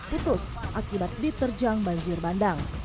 putus akibat diterjang banjir bandang